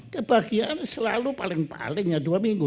kebahagiaan selalu paling palingnya dua minggu